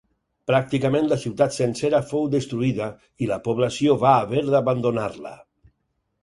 Pràcticament la ciutat sencera fou destruïda i la població va haver d'abandonar-la.